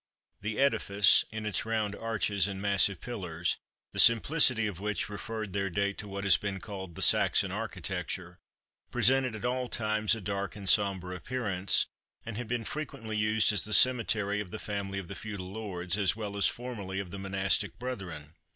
The edifice, in its round arches and massive pillars, the simplicity of which referred their date to what has been called the Saxon architecture, presented at all times a dark and sombre appearance, and had been frequently used as the cemetery of the family of the feudal lords, as well as formerly of the monastic brethren.